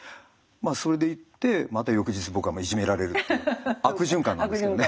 それでいってまた翌日僕はいじめられるっていう悪循環なんですけどね。